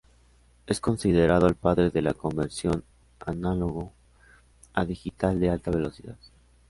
Es considerado "el padre de la conversión análogo a digital de alta velocidad.